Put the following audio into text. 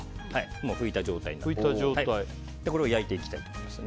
拭いた状態でこれを焼いていきたいと思います。